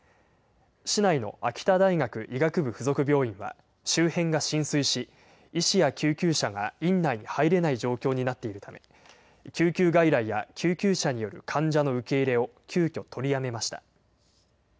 市内の秋田大学医学部附属病院は周辺が浸水し、医師や救急車が院内に入れない状況になっているため、救急外来や救急車による患者の受け入れを急きょ取りやめました。